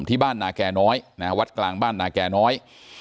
ที่บ้านนาแก่น้อยนะฮะวัดกลางบ้านนาแก่น้อย